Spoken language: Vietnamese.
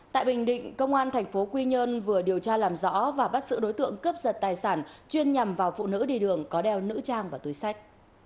tại bình định công an thành phố quy nhơn vừa điều tra làm rõ và bắt giữ đối tượng cướp giật tài sản chuyên nhằm vào phụ nữ đi đường có đeo nữ trang và túi sách